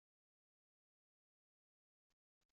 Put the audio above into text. Lemmer dani, imcac ukḍen iḍan.